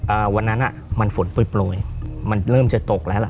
อ่าวันนั้นอ่ะมันฝนโปรยโปรยมันเริ่มจะตกแล้วล่ะ